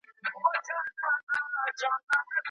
خپل موبایل بند کړه.